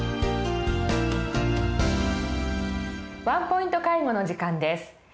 「ワンポイント介護」の時間です。